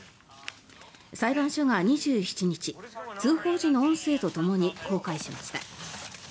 裁判所が２７日通報時の音声とともに公開しました。